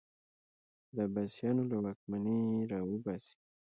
د عباسیانو له واکمني راوباسي